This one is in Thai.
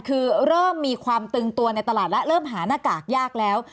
คือเริ่มมีความตึงตัวในตลาดแล้วเริ่มหาหน้ากากยากแล้ว